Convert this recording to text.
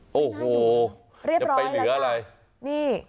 โอ้โหเรียบร้อยแล้วจ้ะนี่